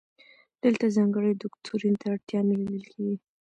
دلته ځانګړي دوکتورین ته اړتیا نه لیدل کیږي.